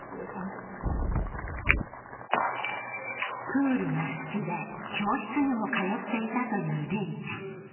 プールが好きで教室にも通っていたという怜ちゃん。